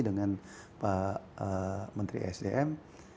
dengan pak menteri sdm